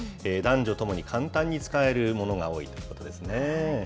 男女ともに簡単に使えるものが多いということですね。